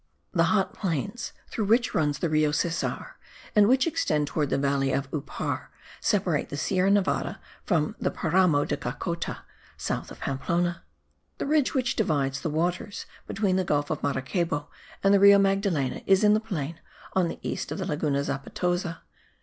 The hot plains through which runs the Rio Cesar, and which extend towards the valley of Upar, separate the Sierra Nevada from the Paramo de Cacota, south of Pamplona. The ridge which divides the waters between the gulf of Maracaibo and the Rio Magdalena is in the plain on the east of the Laguna Zapatoza.